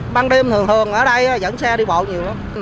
ban đêm thường thường ở đây dẫn xe đi bộ nhiều lắm